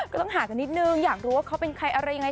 ก็ต้องหากันนิดนึงอยากรู้ว่าเขาเป็นใครอะไรยังไง